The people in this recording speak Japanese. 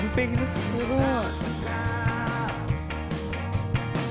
すごい。